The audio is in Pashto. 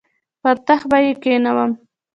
پر تخت به یې کښېنوم.